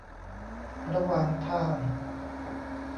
ระหว่างทาง